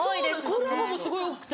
コラボもすごい多くて。